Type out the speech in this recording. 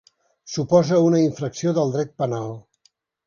Suposa una infracció del dret penal.